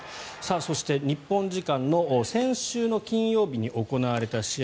そして日本時間の先週の金曜日に行われた試合